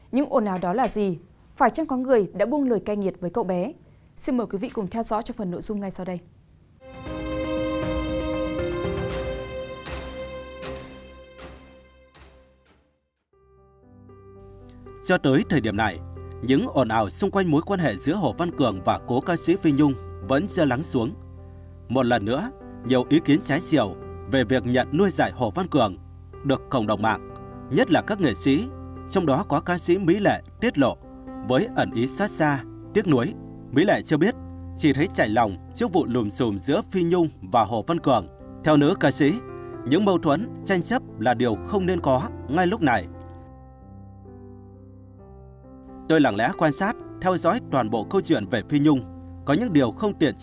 nhưng ổn ào đó là gì phải chăng có người đã buông lời cay nghiệt với cậu bé